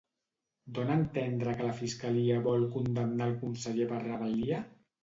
Dona a entendre que la fiscalia vol condemnar al conseller per rebel·lia?